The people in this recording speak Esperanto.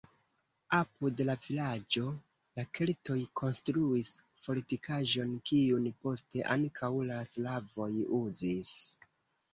Apud la vilaĝo la keltoj konstruis fortikaĵon, kiun poste ankaŭ la slavoj uzis.